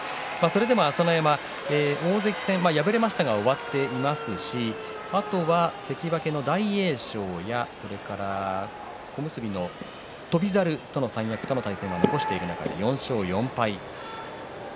朝乃山、それでも大関戦敗れましたが終わっていますしあとは関脇の大栄翔や小結の翔猿との三役との対戦は残していますが、４勝４敗。